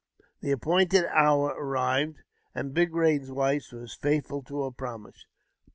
The appointed hour arrived, and Big Eain's wife was faithful to her promise.